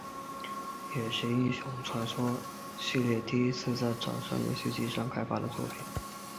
也是英雄传说系列第一次在掌上游戏机上开发的作品。